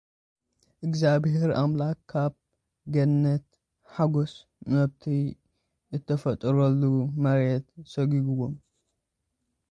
እግዚኣብሄር ኣምላኽ፡ ካብ ገነት-ሓጐስ ናብቲ እተፈጥረሉ መሬት ሰጒግዎም።